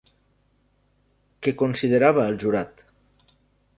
Què considerava el jurat?